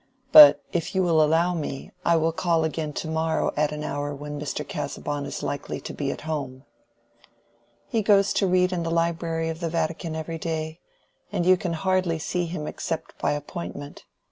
But if you will allow me I will call again to morrow at an hour when Mr. Casaubon is likely to be at home." "He goes to read in the Library of the Vatican every day, and you can hardly see him except by an appointment.